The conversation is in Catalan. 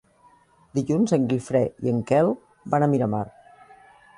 Dilluns en Guifré i en Quel van a Miramar.